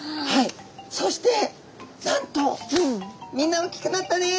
そしてなんと「みんな大きくなったね」。